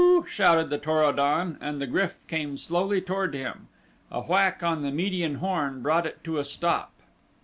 shouted the Tor o don and the GRYF came slowly toward him. A whack on the median horn brought it to a stop.